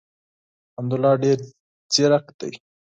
حمدالله ډېر زیرک دی.